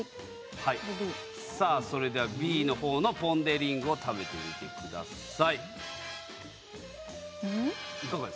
それではＢのほうのポン・デ・リングを食べてください。